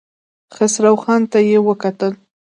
خسرو خان ته يې وکتل.